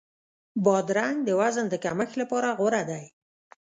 بادرنګ د وزن د کمښت لپاره غوره دی.